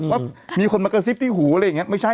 ว่ามีคนมากระซิบที่หูอะไรอย่างนี้ไม่ใช่